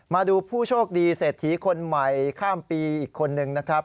มาดูผู้โชคดีเศรษฐีคนใหม่ข้ามปีอีกคนนึงนะครับ